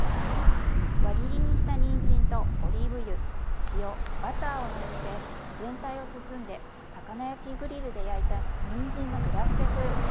輪切りにしたにんじんとオリーブ油塩バターをのせて全体を包んで魚焼きグリルで焼いたにんじんのグラッセ風。